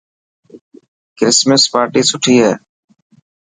ڪرسمس پارٽي سٺي هتي.